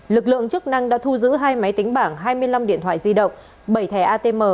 lực lượng chức năng đã thu giữ hai máy tính bảng hai mươi năm điện thoại di động bảy thẻ atm